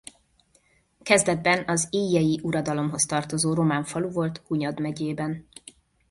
Kezdetben az illyei uradalomhoz tartozó román falu volt Hunyad megyében.